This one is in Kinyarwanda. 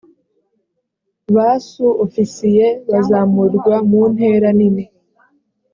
ba su ofisiye bazamurwa mu ntera nini